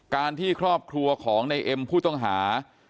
การที่ครอบครัวของในเอ็มผู้ต้องหา